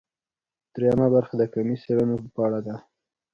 درېیمه برخه د کمي څېړنو په اړه ده.